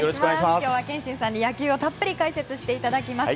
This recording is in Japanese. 今日は憲伸さんに野球をたっぷり解説していただきます。